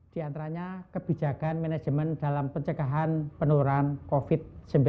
di antaranya kebijakan manajemen dalam pencegahan penurunan covid sembilan belas